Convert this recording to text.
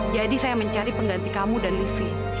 jadi saya mencari pengganti kamu dan livi